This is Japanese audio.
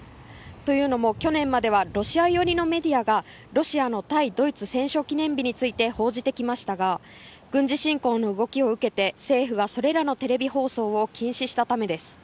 というのも、去年まではロシア寄りのメディアがロシアの対ドイツ戦勝記念日について報じてきましたが軍事侵攻の動きを受けて政府がそれらのテレビ放送を禁止したためです。